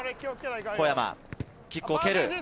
小山がキックを蹴る。